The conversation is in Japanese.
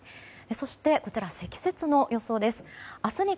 そして、積雪の予想です。